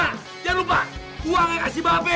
ya jangan lupa uangnya kasih babe